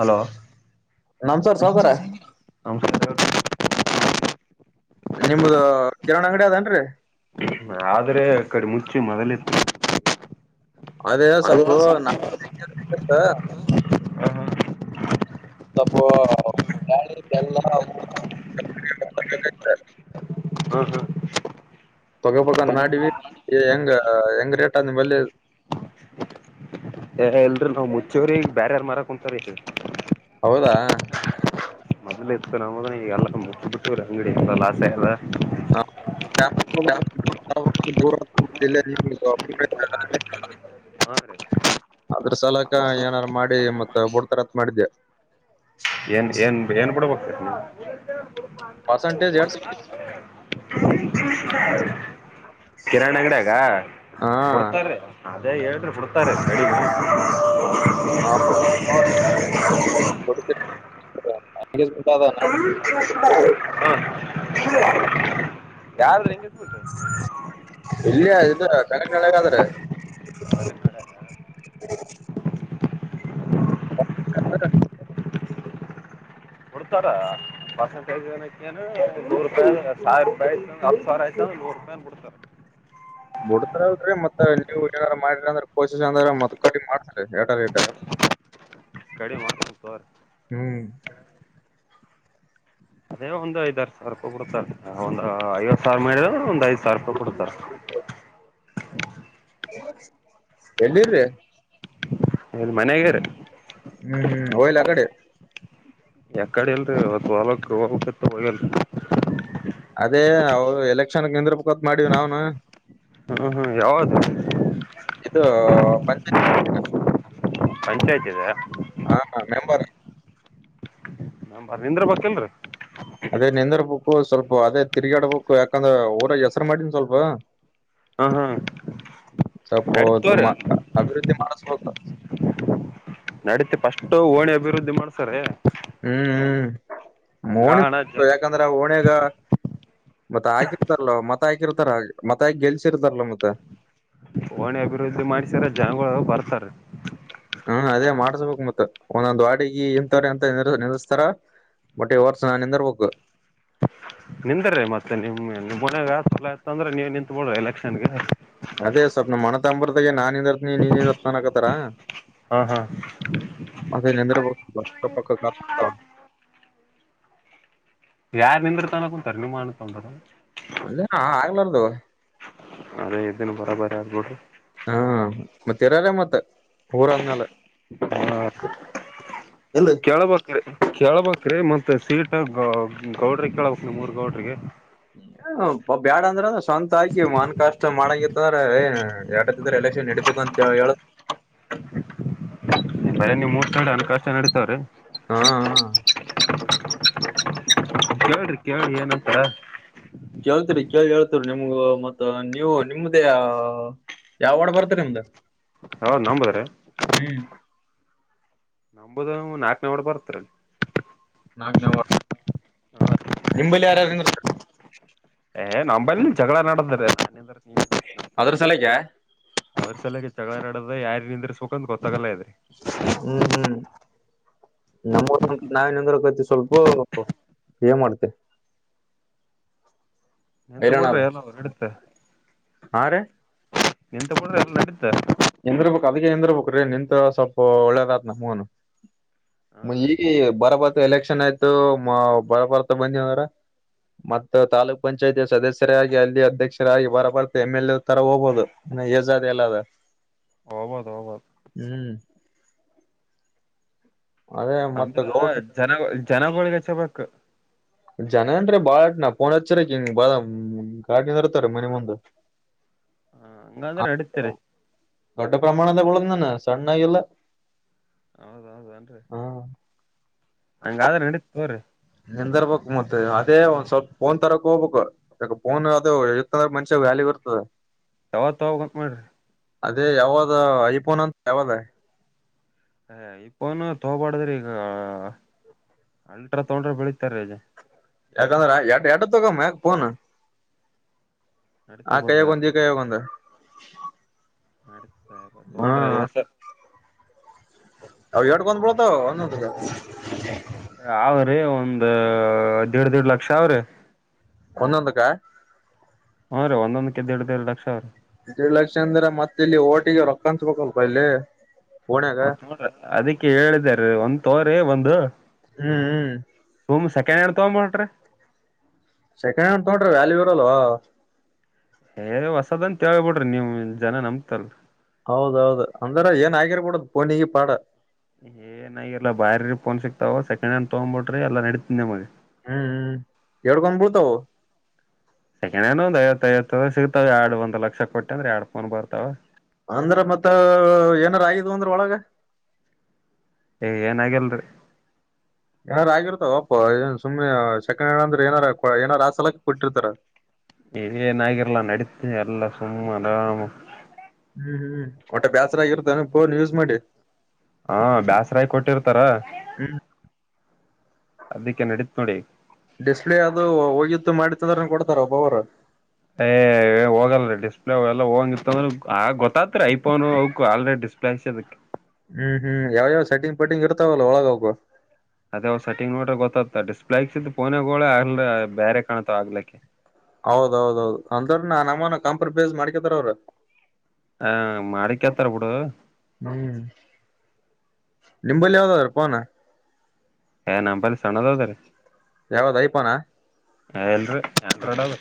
Hello ನಮಸ್ಕಾರ ಸಾವ್ಕಾರ ನಿಮ್ದ ಕಿರಾಣಿ ಅಂಗಡಿ ಅದೇನ್ರಿ ಆದ್ರೆ ಕಡೆ ಮುಚ್ಚಿ ಮೊದಲತ್ತು ಅ ಸಪ್ಪ ನ ಹಾ ಸ್ವಲ್ಪ ಗಾಳಿ ಎಲ್ಲ ಹ್ಮ ಹ್ಮ ತಗೋಬಗ್ ಮಾಡಿವ ಹೆಂಗ ಹೆಂಗ ರೇಟ್ ಅ ಬಲ್ಲಿ ಇಲ್ರರಿ ನಾವ್ ಮುಚ್ಚೋರಿ ಬ್ಯಾರ್ಯಾರ್ ಮರಕ್ ಕುಂತಾರ ಹೌದಾ ಎತ್ಕೊಂಡೋದ ಎಲ್ಲ ಮುತ್ಬಟ್ಟ ಅಂಗಡಿ ಲ ಆಾಸಲ್ಲ ಹ [unintelligible] ಹಾ ರೀ ಅದ್ರ ಸಲಕ ಏನಾರು ಮಾಡಿ ಮತ್ತ ಬಡ್ತರತ್ ಮಾಡಿದ್ಯಾ ಏನ್ ಏನ್ ಏನ್ ಬಿಡಬೇಕಕ್ತರಿ ನೀವು ಪರ್ಸೆಂಟೇಜ್ ಎಟ್ [unintelligible] ಕಿರಣ್ ಅಂಗಡ ಆಗ ಹಾ ಬಿಡ್ತಾರ ಅದೇ ಹೇಳ್ರಿ ಬಿಡ್ತಾರ ಕಡಿ [unintelligible] ಹ ಹ ಹ ಯಾರ ಹೆಂಗತ್ಟ ಕರೆಳಗಾದ್ರೆ ಕತ್ತರ ಕೊಡ್ತಾರ ಪರ್ಸೆಂಟೇಜ್ ಏನು ನೂರು ರೂಪಾಯ ಸಾವಿರ ರೂಪಾಯಿ ಆಯ್ತಲ್ ಸಾವಿರ ಆಯ್ತು ನೂರು ರೂಪಾಯಿ ಬಿಡ್ತಾರ ಬಿಡ್ತಾರ್ರಿ ಮತ್ತ ನೀವ ಏನಾರ ಮಾಡಿರಿ ಅಂದ್ರ ಕೋಶಿ್ ಅಂದ್ರ ಮತ್ತತ್ ಕಡಿ ಮಾಡ್ತಾರ ಟಟ [inaudible] ಎ ವ ಒಂದು ಐದಾರು ಸಾವರ್ ಬಿಡುತ್ತ ಒಐ ಸಾವಿ ಮ ಒಂದ್ ಐದು ಸಾವಿರ ರೂಪಾಯಿ ಕೊಡ್ತಾರೆ ಎಲ್ಲಿರ್ರಿ ಹೌದು ಮನ್ಗಾರ ಹಯಲ್ಲ ಅ ಕಡೆ ಯ ಕಡೆ ಇಲ್ರಿ ಹೊತ್ತು ಹೊಲ ಹೋಗೋಗಲ್ರಿ ಅದೇ ನ ಎಲೆಕ್ಷನ್ಗೆಂದ್ರ ಬದ ಮಾಡೀವಿ ನಾವ್ನು ಹ ಯಾವದು ಇದು ಬ ಪಂಚಾಯತ್ ಇದೆ ಹಾ ಹಾ ನೆಂಬರ್ ನ ಬರ ನಿಂದ್ರ ಬತ್ತಲ್ರರಿ ಅದೇ ನೆಂದರ್ ಬಕ್ಕು ಸ್ವಲ್ಪ ಅದೇ ತಿರ್ಗಾಡ ಬಕ್ಕು ಯಾಕಂದ್ರ ಊರ ಹೆಸರು ಮಾಡಿನ ಸ್ವಲ್ಪ ಹಾ ಹಾ ಸಪೋ ನಡತವ್ರ ಅಭಿವೃದ್ಧಿ ಮಾನಸವೋಗ ನಡತಿ ಪಸ್ ಓಣಿ ಅಭಿವೃದ್ಧಿ ಮಾಡ್ಸಾರೆ ಹ್ಮ್ ಹ್ಮ್ ಮೋಣಿ ಗಾಣ ಯಾಕಂದ್ರ ಓಣಿಯಾಗ ಮತ್ತೆ ಹಾಕಿರ್ತಾರಲ್ಲ ಮತ್ತ ಹಾಕಿರ್ತಾರ ಮತ್ತ ಹಕಿ ಗೆಲ್ಸಿರ್ತಾರಲ್ಲ ಮತ್ತೆ ಹೋಣಿ ಅಭಿವೃದ್ಧಿ ಮಾಡ್ಸರ ಜನಗಳು ಬರ್ತಾರ ಹ್ಮ ಅದೇ ಮಾಡ್ಸ್ಬೇಕಕ್ ಮತ್ತತ್ ಒಂದೊಂದ್ ವಾಡಿಗೆ ಇಂತವ್ರ ಅಂತ ನಿಲ್ಲಸ್ತಾರ ಮೊಟ್ಟೆ ವರ್ಸ ನಾನ ನಿಂತರ್ ಪೋಕ್ ನಿಂದ್ರ ಮತ್ತೆ ನಿಮ್ ನಿಮ್ಮ ಮನೆಗಾಸ್ಲ ಇತ್ತ ಅಂದ್ರೆ ನೀ ನಿಂತತ್ ಬಿಡ್ರಿ ಇಲ್ಲ ಅದೇ ಸ್ವಪ್ನ ಮನ ತಂಬರ್ದಾಗೆ ನಾದರ್ ನೀ ನೀನ್ದ ಸ್ನಾನಕತ್ತಾರ ಹಾ ಹಾ ಅದ ನೆಂದರ ಕ್ಕ ಪಕ್ಕತತ ಯಾರ್ ನಿಂದ್ರ ತಾನ ಕುಂತಾರ ನಿಮ್ಮನ ತಂದರ ಅಲ್ಲ ಹಾ ಆಗ್ಲಾರದು ಅದೇ ಇದನ್ ಬರ ಬರ ಆಗ್ಬಿಡ್ರಿ ಹಾ ಮತ್ತೆರಾರ ಮತ್ತ ಊರ ಅಂದ್ಮೇಲ ಆ ಕೇಳ ಬೇಕ್ರಿ ಕೇಳ್ಬ್ರೀ ಮತ್ತತ್ ಸೀಟ ಗೌಡ್ರಿ ಕೇಳ್ಬ ನಮೂರ್ ಗೌಡ್ರಿಗೆ ಬ್ಯಾಡ ಅಂದ್ರ ಸ್ವಂತ ಆಕಿ ಮನ್ ಕಷ್ಟ ಮಾಡಂಗಿತ್ತಂದ್ರ ಎಡತ್ತಿದ್ರ ಎಲೆಕ್ಷನ್ ಹ ಕುತಂತ ಹೇಳು. ಬರ ನೀವ್ ಮೂರ್ಂಡೆ ಹಣಕಾಷ್ಟ ನಡತಾವ್ರೀ ಹಾ ಹ ಕೇಳ್ರಿ ಕೇಳ್ರಿ ಏನಂತ ಕೇಳ್ತರಿ ಕೇಳಿ ಹೇಳ್ತರಿ ನಿಮ್ಗ ಮತ್ತ ನೀವು ನಿಮ್ದ ಯಾವ ವಡ ಬರ್ತರಿ ನಿಮ್ದ ಹೌದ ನಂಬದ್ ರಿ ಹ್ಮ್ ನಂಬದು ನಾಕನೇ ವಡ ಬರ್ತ್ರಿ ನಾಕನೇ ನಿಂಬಲ್ಲಿ ಯಾರ್ಯಾರ ಏ ನಂಬಲ್ಲಿ ಜಗಳ ನಡದ್ರ ಅದ್ರ ಸಲಗೆ ಯಾರೆ ನಿಂದ್ರಿಸಬೇಕಂತ ಗೊತ್ತಾಗಲ್ಲ ಆಗ್ಯಾದ ನಮ್ಮರು ನಾವಿನ್ನಂದ್ರ ಕತಿ ಸ್ವಲ್ಪ ಏ ಮಾಡ್ತೆ ನಿಂತ ಹೈರಾಣ ಬಿಡ್ರೆ ಅದ ಎಲ್ಲ ನಡಿತ ಹಾ ರೀ ನಿಂತ್ ಬಿಡ್ರೆ ಎಲ್ಲ ನಡಿತ ಎಂದರ್ಬೇಕೇಕಕ್ ಅದಕ್ಕೆ ಎಂದಿರ್ಬೇಕಕ ನಿಂತ ಸ್ವಲ್ಪ ಒಳ್ಳೇದತ್ ನ್ಗನು ಹಾ ರೀ ಈಗ ಬರಬತ ಎಲೆಕ್ಷನ್ ಆಯ್ತು ಬರಬರ್ತ ಬಂದ್ರ ಮತ್ತ ತಾಲೂಕ್ ಪಂಚಾಯತಿ ಸದಸ್ಯರೇ ಆಗಿ ಅಲ್ಲಿ ಅಧ್ಯಕ್ಷರಾಗಿ ಬರಬರ್ ಎಮ್ ಎಲ್ ಎ ತರ ಹೋಗ್ಬಹುದು ಇನ ಯೇ ಜದ ಎಲ್ಲ ಆದ. ಹೋಗ್ಬೌದು ಹೋಗ್ಬೌದು ಹ್ಮ್ ಅದೇ ಮತ್ತ ಅಂದ್ರ ಗೌಡ್ ಜನ ಜನಗಳಳಿಗೆಚ್ಚಬೇಕು ಜನ ಅನ ರಿ ಬಾಳ ಟ ನಾ ಫೋನ್ ಹಚ್ಚರ ಹಂಗ ಬಾಳ ಗಾಡ್ ನಿಂದರತರ ಮನಿ ಮುಂದ ಹಂಗಂದ್ರ ನಡೀತ್ರಿ ದೊಡ್ಡ ಪ್ರಮಾಣದ ಉಳದಿನಿ ನಾನು ಸಣ್ಣ ಆಯಲ್ಲ ಹೌದೌದುನ್ರಿ ಹಂಗಾದ್ರೆ ನಡತ್ ತೋರಿ ನಿಂದರ್ಬೇಕಕ್ ಮತ್ತೆ ಅದೇ ಒಂದ ಸ್ವಲ್ಪ ಫೋನ್ ತರಕ್ ಹೋಗ್ಬೇಕು ಫೋನ್ ಅದು ಇಂದ ಮನ್ಷ್ಯ ವ್ಯಾಲ್ಯೂ ಇರುತ್ತದೆ ಯಾವತ್ ಹೋವಾಗ ಮಾಡಿ ರಿ ಅದೇ ಯಾವಾಗ ಐಫೋನ್ ಅಂತ ಯಾವಾಗ ಹ ಐಫೋನ್ ತೊಬಡಾದರಿ ಈಗ ಅಲ್ಟ್ರಾ ತೌಂಡ್ರ ಬೆಳಿತಾರೆ ಇಲ್ಲಿ ಯಾಕಂದ್ರ ಎಡ್ ಎಡತ ಹೋಗಮ್ಮ ಫೋನ್. ನಡೀತ ಹ ಬಿಡ್ರಿ ಕಯಗೊಂದು ಈ ಕಯಗೊಂದು ಸರಿ ಸರಿ ತುಗೊಂಡ್ರಿ ಎಸ್ ಆವ ಎಟ್ಟಕ ಒಂದ ಬಿಳ್ಳತಾವ ಒಂದೊದಕ ಅವ್ರಿ ಒಂದ ದೀಡ್ ದಿಡ್ ಲಕ್ಷ ಅವ್ರಿ ಒಂದಂದುಕ್ಕ ಹ್ನ್ ರೀ ಒಂದೊಂದ್ದ ದೀಡ್ ದಿಡಲಕ್ಷ ಅವ ರೀ [unintelligible] ಲಕ್ಷ ಅಂದ್ರೆ ಮತ್ತ ಇಲ್ಲಿ ಓಟಿಗೆ ರೊಕ್ಕ ಅನ್ಸ್ಬೇಕಲ್ಪ ಇಲ್ಲಿ ಫೋನ್ಯಾಗ ಮತ್ತ ನೋಡ್ರ ಅದಿಕ್ಕೆ ಹೇಳಿದಾರ ಒಂದ್ ತೋರಿ ಒಂದು ಹ್ಮ್ ಹ್ಮ್ ಕನಡ್ ತಗಂಬಟ್ರ ಸೆಕೆಂಡ್ ಹ್ಯಾಂಡ್ ತಗೊಂಡ್ರೆ ವ್ಯಾಲ್ಯೂ ಇರಲ್ವಾ ಹೇ ಹೊಸದಂತ ಹೇಳ್ಬ ಬಿಡ್ರಿ ನೀವ್ ಜನ ನಮ್ತಲ್ ಹೌದೌದು ಅಂದ್ರ ಏನ್ ಆಗಿರ್ಬೂಡ ಪೋನಿಗೆ ಪಾಡ ಏ ನಲ್ಲ ಬಾರಿ ಫೋನ್ ಸಿಕ್ತಾವವು ಸೆಕೆಂಡ್ ಹ್ಯಾಂಡ್ ತಗ್ಂಬ ಬಿಟ್ರಿ ಎಲ್ಲ ನಡೀತ ನ ಮಿ ಹ್ಮ್ ಎಷ್ಟಕ್ಕೊಂದು ಭುಳ ತವ ಸೆಕಂಡಹ್ಯಾಂಡ್ ಒಂದು ಐವತ್ತುೈಐವತ್ತು ಸಿತಾವ ಆರಡ್ ಒಂದ ಲಕ್ಷ ಕೊಟ್ಟೆ ಅಂದ್ರೆ ಎರಡ್ ಫೋನ್ ಬರ್ತಾವ ಅಂದ್ರೆ ಮತ್ತ ಏನಾರ ಆಯ ಇದು ಒಂದರ ಒಳಗೆ ಏ ಏನಾಗಿಲ್ರಿ ಏನಾರ ಆಗಿರ್ತಾವ ಒಪ್ಪ ಏನ್ ಸುಮ್ಮನೆ ಸೆಕೆಂಡ್ ಹ್ಯಾಂಡಲ್ ಅಂದ್ರೆ ಏನಾರ ಏನಾರ ಆ ಸಲಕ್ ಕೊಟ್ಟಿರ್ತಾರೆ ನೀವೇಏನಾಗಿರ್ಲಾ ನಡೀತೀನಿ ಎಲ್ಲ ಸುಮ್ಮ ಆರಾಮ ಹ್ಮ್ ಹ್ಮ್ ಒಟ್ಟೆ ಬೇಸರಾಗಿರುತ್ತೆ ಅ ಬೋನ್ ಯೂಸ್ ಮಾಡಿ ಹಾ ಬ್ಯಾಸರಾಯ್ ಕೊಟ್ಟಿರ್ತಾರ ಹ್ಮ್ ಅದಕ್ಕೆ ನಡತ್ ನೋಡಿ ಕೊಡ್ತಾರೆ ಒಬ್ಬ ಅವರು ಏ ಹೋಗಲ್ರಿ ಡಿಸ್ಪ್ಲೇ ಅವಲ್ಲ ಹೋಗಂಗಿತ್ತ ಅಂದ್ರ ಆ ಗೊತ್ತಾತ್ರಿ ಐಫೋನ್ ಅವಕ್ಕು ಆಲ್ರೆಡಿ ್ಲಸ್ ಅದಕ್ಕೆ [unintelligible] ಹ್ಮ್ ಹ್ಮ್ ಯಾವ್ಯಾವ್ ಸೆಟ್ಟಿಂಗ್ ಪಟ್ಟಿಂಗ್ ಇರ್ತಾವಲ್ಲ ಒಳಗ ಹೋಗುವ ಅದೇ ಸೆಟ್ಟಿಂಗ್ ನೋಡ್ರೆ ಗೊತ್ತತ್ತ ಡಿಸ್ಪ್ಲೇ ಇಕ್ಸತ್ ಫೋನಗೋಳೆ ಅಲ್ ಬೇರೆ ಕಾಣತವ ಆಗ್ಲಿಕ್ಕೆ ಹೌದೌದೌದು ಅಂದ್ರ ನ ನಮಾನ ಕಾಂಪ್ರಮೈಸ್ ಮಾಡ್ಕತಾರ ಅವ್ರ ಹ ಮಾಡಿಕತಾರ ಬಿುಡು ಹ್ಮ್ ನಿಂಬಲ್ಲಿ ಯಾವ್ದಾದ್ರ ಪಾನ ಹ ನಮ್ಮಪಲ್ಲಿ ಸಣದೌತಾರೆ ಯಾವುದೋಐಫೋನ್ ಹ ಎಲ್ರು ಆಂಡ್ರಾಯ್ಡ್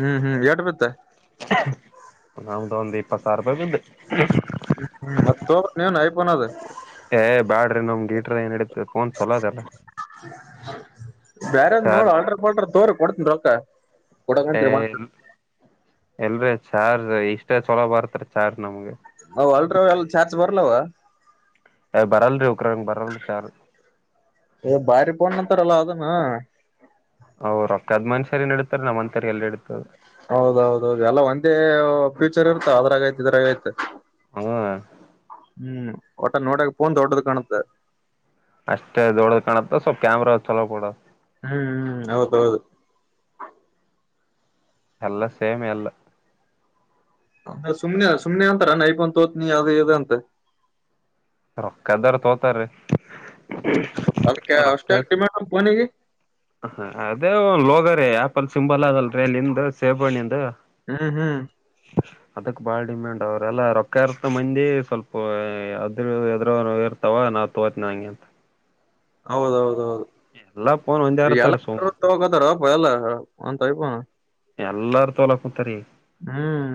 ಹ್ಮ್ ಹ್ಮ್ ಎಟ್ ಬಿತ್ತ ಎ [inaudible] ನಮ್ದು ಒಂದ್ ಇಪ್ಪತ್ ಸಾವಿರ ರೂಪಾಯಿ ಬಂದುು ಮತ್ತ ನೀವನ್ ಯಪೋನ ಅದ ಏ್ ಬ್ಯಾಡ್ರಿ ನಮಗೆ ಗಿಟ್ರ ಏನ್ ಹಡತ ಫೋನ್ ಚಲೋದಲ್ಲ ಬೇರೆ್ ನೋಡ ಅಲ್ಡ್ರ ಬಲ್ಟ್ರ ತೋರ್ ಕೊಡ್ನ್ ರೊಕ್ಕ ಕೊಡಕಂತೀರಿ ಮತ್ ಎಲ್ರಿೀ ಚಾರ್ ಇಷ್ಟ ಚಲೋ ಬರ್ತರಿ ಚಾರ್ಜ್ ನಮ್ಗೆ ಅ ಅಲ್ಟ್ರಾವಲ್ ಚಾರ್ಜ್ ಬರ್ಲವ ಅ ಬರಲ್ಲ ರೀ ಒಕರ ಬರಲ್ಲ ರೀ ಚಾರ್ ರಲ್ಲ ಅದನಾ [unintelligible] ಅವ್ ರೊಕ್ಕದ್ ಮನುಷ್ಯರಿ ಏನ್ ಇಡ್ತಾರೆ ನಮ್ಮಂತರಿ ಎಲ್ಲಿ ಇಡ್ತಾರೆ ಹೌದೌದೌದು ಎಲ್ಲ ಒಂದೇ ಫೀಚರ್ ಇರ್ತ ಅದ್ರಾಗಐತ ಇದ್ರಾಗೈತ ಹ ಹ್ಮ್ ಒಟ ನೋಡಕ್ ಪೋನ್ ಹೊಡದ ಕಾಣುತ್ತೆ ಅಷ್ಟೇ ದೊಡ್ಡ ಕಾಣತ್ತ ಸ್ವಲ್ಪ ಕ್ಯಾಮ್ರಾ ಚಲೋ ಕೊೂಡ ಹ್ಮ್ ಹ್ಮ್ ಹೌದೌದು ಎಲ್ಲ ಸೇಮ್ ಎಲ್ಲ ಅ್ರ ಸುಮ್ನೆ ಸುಮ್ನೆ ಅಂತಾರ ನ ಇಕೊ ತೋತನಿ ಅದ ಇದೆ ಅಂತೆ ಅಕ್ಕದಾರ [unintelligible] ತೋತಾರೀ ಅದಕ್ಕೆ ಅಷ್ಟ ರೊಕ್ಕ ಆ ಡಿಮ್ಯಾ ಬನಿಗೆ ಹ ಅದೇ ಲೋಗ ರೀ ಆಪಲ್ ಸಿಂಬಲ್ ಅದಲ್ರಿಲ್ಲಿಂದ ಸೇಬಣಿಿಂದ ಹ್ಮ್ ಹ್ಮ್ ಅದಕ್ ಬಾಳ ಡಿಮ್ಯಾಂಡ್ ಅವ್ರ ಎಲ್ಲ ರೊಕ್ಕರ್ತ ಮಂದಿ ಸ್ವಲ್ಪ ಅದ್ರ ಎ್ರ ತವಾ ನಾವವು ತೋತನಂಗೆ ಅಂತ ಹೌದೌದ ಹೌದು ಎಲ್ಲಾ ಫೋನ್ ಒಂದೇ ಇರ್ತಾರ ಸುಮ್ಮ ಎಲ್ಲಕತಾರಪ್ಪ ಎಲ್ಲ ಅಂತ ಅಯಪಣ [unintelligible] ಎಲ್ಲಾರ ತೋಲಾ ಕುೂಂತಾರಿೀ ಹ್ಮ್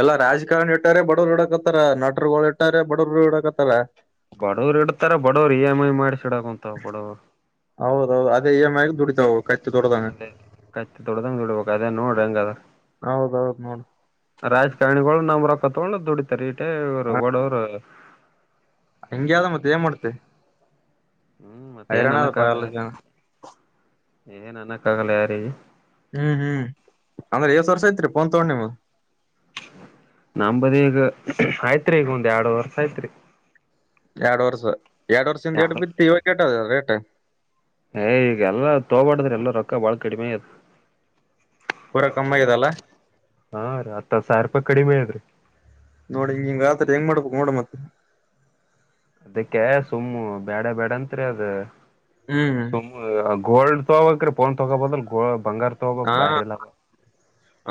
ಎಲ್ಲಾ ರಾಜಕಾರಣಿ ಇಟ್ಟಾರೆ ಬಡವರು ಹುಡಕತ್ತರ ನಟರುಗಳು ಇಟ್ಟಾರೆ ಬಡವರು ಹು ಡಾಕತ್ತಾರ ಬಡವರು ಇಡ್ತಾರ ಬಡವ ಇ ಎಮ್ ಐ ಮಾಡಿಸಿ ಈಡಾಕತ್ತಾವ್ ಬಡವ ಹೌದೌದು ಅದೇ ಇ ಎಮ್ ಐ ದುಡಿತಾವ ಕತ್ತಿ ದೊಡ್ದಂಗ ಅದೇ ಕತ್ತಿ ತೊಡ್ದಂಗ ದುಡಿಬೇಕ್ ಅದೇ ನೋಡ ಹೆಂಗ್ ಅದ ಹೌದೌ ಹೌದ ನೋಡ. ನಮ್ಮ ರೊಕ್ಕ ತೊಗೊಂಡ ದುಡಿತಾರ ಈಟ ಇವರು ಬಡವರು ಹೆಂಗ ಆದ ಮತ್ತೆ ಏನ್ ಮಾಡ್ತಿ ಹ್ಮ್ ಮತ್ತ ಏನ್ ಹೈರಾಣ ಅನಕ್ಕ ಅದಪ್ಪಾ ಆಗಲ್ಲ ಎಲ್ಲ ಯಾರಿಗೆ ಜನ ಏನ್ ಅನಕ್ಕ ಆಗಲ್ಲ ಯಾರಿಗೆ. ಹ್ಮ್ ಹ್ಮ್ ಅಂದ್ರೆ ಎಷ್ಟ್ ವರ್ಷ ಐತ್ರಿ ಫೋನ್ ತಗೋಡೇನವ ನಂಬದ ಈಗ ಆಯ್ತ್ರಿ ಈಗ ಒಂದ್ ಎರಡು ವರ್ಷ ಆಯ್ತ್ರಿ. ಯಾಡ ವರ್ಷ ಯಾಡ ವರ್ಷಇಂದ ಎಟ ಎರಡು ಬಿತ್ತಿ ಇವಾತ್ತ್ ಏಟ ಇದ ರೇಟ್ ಏ ಈಗಲ್ಲ ತಗೋಬಾಡದ್ರೇ ಎಲ್ಲ ರೊಕ್ಕ ಬಾಳ ಕಡಿಮೆ ಆಗೆತೆ. ಪೂರಾ ಕಮ್ಮಿ ಆಗ್ಯದಲ್ಲ ಹಾ ರ ಹತ್ತ ಹತ್ತ ಸಾವಿ ರೂಪಾಯಿ ಕಡಿಮೆ ಆಗೇತ್ರಿ ನೋಡ ಹಿಂಗ ಹಿಂಗ ಆದ್ರ ಹೆಂಗ ಮಾಡ್ಬೇಕ ನೋಡ್ ಮತ್ತ. ಅದಕ್ಕೆ ಸುಮ್ಮು ಬ್ಯಾಡ ಬ್ಯಾಡ ಅತ್ರೆ ಅದ ಹ್ಮ್ ಸುಮ್ಮು ಗೋಲ್ಡ್ ನಾವು ಅಂತರು ಫೋನ್ ತಗೋಬಹುದಾ ಅಲ್ಲ ಗೊಬ್ಬ ಹಾ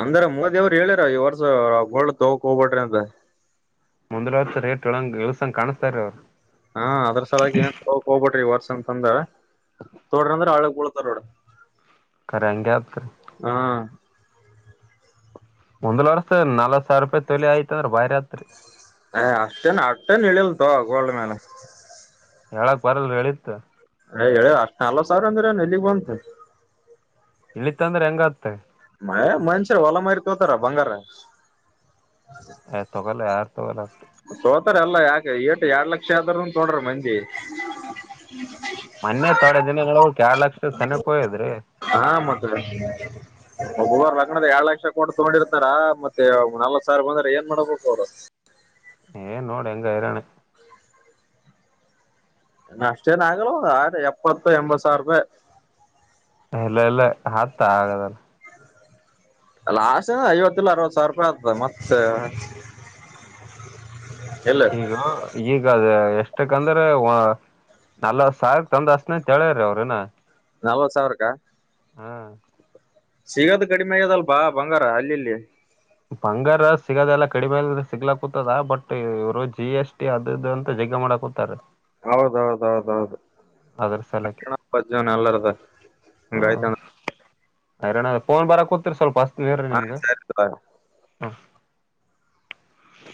ಅಂದ್ರ ಮೋದಿ ಅವರ ಹೇಳ್ಯಾರ್ ಈ ವರ್ಷ ಅದ ಗೋಲ್ಡ ತಗೋಕಹೋಗಬ್ಯಾಡ್ರ ಅದ ಮುಂದಲ ವರ್ಷ ರೇಟ್ ಇಳಂಗ ಇಳಸಂಗ ಕಾಣಸ್ತಾರ ರೀ ಅವ್ರು ಹಾ ಅದರ ಸಲಾಗಿ ಏನ್ ತಗೋಕ ಹೋಗ್ಬಟ್ರಿ ಈ ವರ್ಷ ಅಂತ ತಗೊಂಡ್ರ ಅಂದ್ರ ಹಳಗ್ ಬೀಳ್ತರಾ ನೋಡ ಕರೆ ಹಂಗಅಕ್ಕ ಹಾ ಮುಂದ್ಲ ವರ್ಸ ನಲ್ವತ್ ಸಾವಿರ ರೂಪಾಯಿ ತೊಲಿ ಆಯ್ತಂದ್ರ ಬಾಯ ಹತ್ರಿ ಏ ಅಷ್ಟೇನ್ ಅಷ್ಟೇನ್ ಇಳಿಯಲ್ ತಗೋ ಗೋಲ್ಡ್ ಮ್ಯಾನ್ ಹೇಳಕ್ ಬರಲ್ ಇಳಿಯತ್ ಅಯ್ಯ ಹೇಳ ಅಷ್ಟ ನಾಲವತ್ತ ಸಾವಿರ ಅಂದ್ರ ಎಲ್ಲಿಗ್ ಬಂತ ಇಳಿತ ಅಂದ್ರ ಆಗತ್ತ ಐ ಮನಷ್ಯ ಹೊಲಮಾರಿ ತೊಗೋತರ ಬಂಗಾರಾ ಏ ತಗೋಆಲ್ ಯಾರ್ ತೊಗಲ್ ತೊಗೋತರ ಎಲ್ಲಾ ಯಾಕೆ ಏಟ ಯಾಡ ಲಕ್ಷ ಆದ್ರೂ ತೊಗೋಡ್ರ ಮಂದಿ ಮೊೆನ್ನೆ ತೊಡೆ ದಿನಗಳ ಯಾಡಾ ಲಕ್ಷದ ಸನೆಕ ಹೋಗೆತೇರಿ ಹಾ ಮತಡ ಒಬ್ಬೊಬ್ಬರ ಲಂಗಣದಾಗ ಯಾಡ ಲಕ್ಷ ಕೊಟ್ಟು ತಗೊಂಡಿರತರಾ ಮತ್ತೆ ನಲ್ವತ್ ಸಾವಿರ ಬಂದ್ರ ಏನ್ ಮಾಡ್ಬೇಕು. ಏ ನೋಡ ಹೆಂಗ ಈರಣ ಅಷ್ಟೇನ್ ಆಗಲ್ವ ಎಪ್ಪತ್ತ ಎಂಬತ್ ಸಾವಿರ ರೂಪಾಯಿ ಇಲ್ಲ ಇಲ್ಲ ಹತ್ ಆಗದಲ್ಲ ಲಾಸ್ ಐವತ್ತ ಇಲ್ಲ ಅರವತ್ತ ಸಾವಿರ ರೂಪಾಯಿ ಆಗ್ತದ ಮತ್ತ ಉಹ್ ಉಹ್ ಅತ್ತ್ ಈಗ ಈಗ ಅದ ಎಸ್ಟ್ ಅಷ್ಟಕಂದ್ರೆ ವ ನಲವತ್ತ ಸಾವಿರಕ್ಕ್ ತಂದ ಹಚ್ಚತೇನ್ ಅಂತ ಹೇಳ್ಯ್ರಿ ಅವ್ರ ಏನ್ ನಲ್ವತ್ತ ಸವರಕ್ಕಾ. ಹಾ ಸಿಗದ ಕಡಿಮೆ ಆಗಿದೆ ಪಾ ಬಂಗಾರ ಅಲ್ಲಿಲ್ಲಿ ಬಂಗಾರ ಸಿಗದೆಲ್ಲ ಕಡಿಮೆಲ್ ಸಿಗ್ಲಾ ಕುೂತದ ಬಟ್ ಇವರು ಜಿ ಎಸ್ಟಿ ಅದ ಇದ ಅಂತ ಜಗ ಇದ ಮಾಡಕುಂತಾರ ಹೌದ ಹೌದ ಹೌದ ಹೌದು ಅದ್ರ ಸಲಕ್ಕೆ ಅಪ್ಪಣ್ಣಅಪ್ಪ ಅಜ್ಜ ನಲ್ಲರದ ಹಂಗಾಯ್ತನ್ ಐರಣ್ಣ ಫೋನ್ ಬರ ಕೂತರ ಸ್ವಲ್ಪ ಹಚ್ಚತೀನಿ ಇರ್ರಿ ಹಾ ನಿಮ್ಗ ಸರಿ ಹ